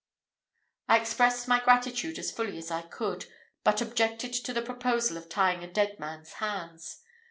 I expressed my gratitude as fully as I could, but objected to the proposal of tying a dead man's hands.